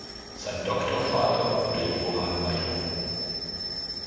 Sein Doktorvater wurde Johann Major.